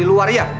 aku mau ke rumah